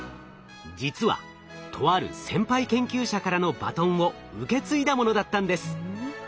実はとある先輩研究者からのバトンを受け継いだものだったんです。